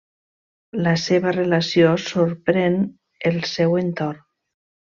La seva relació sorprèn el seu entorn.